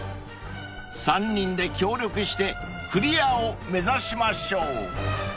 ［３人で協力してクリアを目指しましょう］